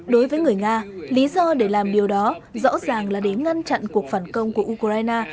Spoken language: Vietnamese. đối với người nga lý do để làm điều đó rõ ràng là để ngăn chặn cuộc phản công của ukraine